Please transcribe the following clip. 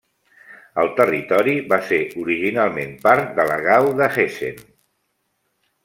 El territori va ser originalment part de la Gau de Hessen.